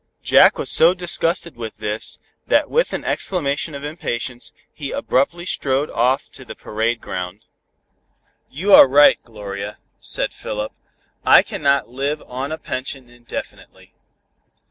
Jack was so disgusted with this, that with an exclamation of impatience, he abruptly strode off to the parade ground. "You are right, Gloria," said Philip. "I cannot live on a pension indefinitely.